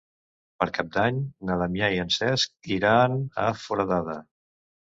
Per Cap d'Any na Damià i en Cesc iran a Foradada.